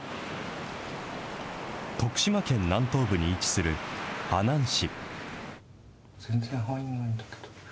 徳島県南東部に位置する阿南市。